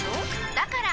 だから！